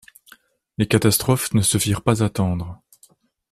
Les catastrophes ne se firent pas attendre.